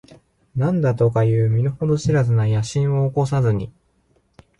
何だとかいう身の程知らずな野心を起こさずに、